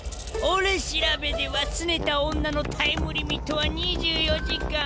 俺調べではすねた女のタイムリミットは２４時間。